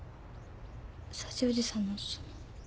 さちおじさんのその。